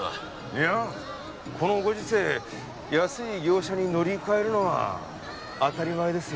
いやこのご時世安い業者に乗り換えるのは当たり前ですよ。